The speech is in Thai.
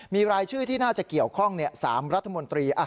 มีรายชื่อที่น่าจะเกี่ยวข้อง๓รัฐมนตรี